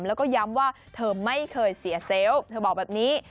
แล้วก็ย้ำว่าเธอไม่เคยเสียเซลล์เธอบอกแบบนี้